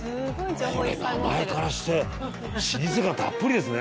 これ名前からして老舗感たっぷりですね。